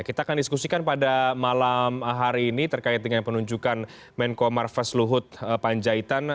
kita akan diskusikan pada malam hari ini terkait dengan penunjukan menko marves luhut panjaitan